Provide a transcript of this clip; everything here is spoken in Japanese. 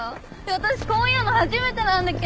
私こういうの初めてなんだけど。